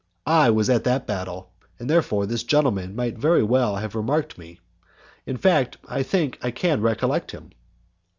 I was at that battle, and therefore this gentleman might very well have remarked me; in fact, I think I can recollect him."